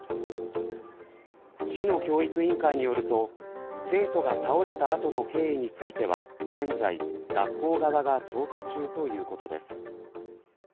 市の教育委員会によると生徒が倒れた後の経緯については現在、学校側が調査中ということです。